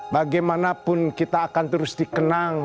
bagaimanapun kita akan terus dikenang